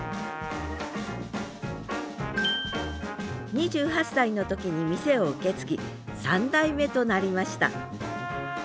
２８歳の時に店を受け継ぎ３代目となりました。